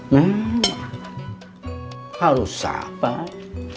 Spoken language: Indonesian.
nah kalau sabar